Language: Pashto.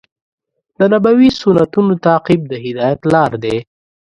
د نبوي سنتونو تعقیب د هدایت لار دی.